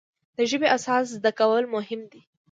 د ژبې اساس زده کول مهم دی.